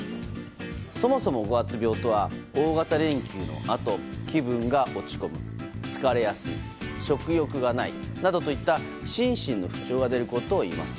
そもそも五月病とは大型連休のあと気分が落ち込む、疲れやすい食欲がないなどといった心身の不調が出ることをいいます。